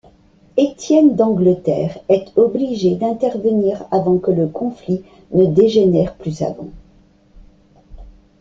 Étienne d'Angleterre est obligé d'intervenir avant que le conflit ne dégénère plus avant.